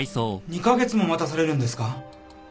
２カ月も待たされるんですか？